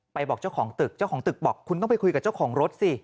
บอกเจ้าของตึกเจ้าของตึกบอกคุณต้องไปคุยกับเจ้าของรถสิ